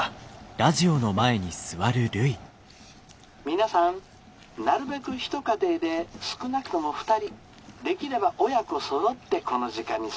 「皆さんなるべく一家庭で少なくとも２人できれば親子そろってこの時間に参加してくださいね。